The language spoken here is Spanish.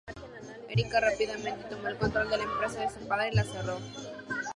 Erika rápidamente tomó el control de la empresa de su padre y la cerró.